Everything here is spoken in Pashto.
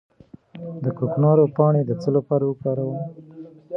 د کوکنارو پاڼې د څه لپاره وکاروم؟